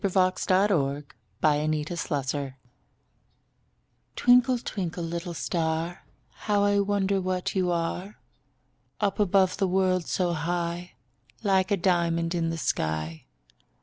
_ Twinkle, Twinkle, Little Star Twinkle, twinkle, little star; How I wonder what you are! Up above the world so high, Like a diamond in the sky.